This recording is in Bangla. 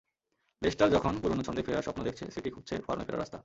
লেস্টার যখন পুরোনো ছন্দে ফেরার স্বপ্ন দেখছে, সিটি খুঁজছে ফর্মে ফেরার রাস্তা।